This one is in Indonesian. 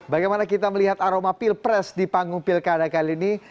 bagaimana kita melihat aroma pilpres di panggung pilkada kali ini